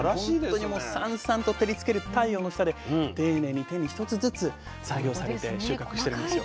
本当にもうさんさんと照りつける太陽の下で丁寧に丁寧に一つずつ作業されて収穫してるんですよ。